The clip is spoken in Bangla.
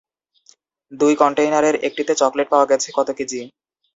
দুই কনটেইনারের একটিতে চকলেট পাওয়া গেছে কত কেজি?